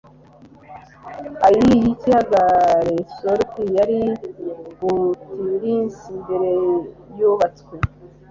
Ei y'ikiyaga Resort yari Butlins mbere yubatswe